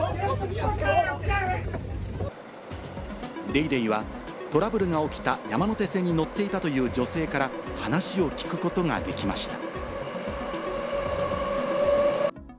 『ＤａｙＤａｙ．』はトラブルが起きた山手線に乗っていたという女性から話を聞くことができました。